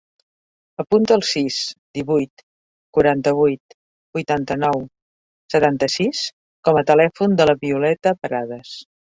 Apunta el sis, divuit, quaranta-vuit, vuitanta-nou, setanta-sis com a telèfon de la Violeta Pradas.